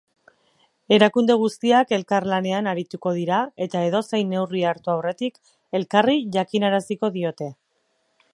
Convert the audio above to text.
Erakunde guztiak elkarlanean arituko dira eta edozein neurri hartu aurretik elkarri jakinaraziko diote.